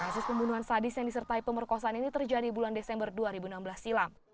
kasus pembunuhan sadis yang disertai pemerkosaan ini terjadi bulan desember dua ribu enam belas silam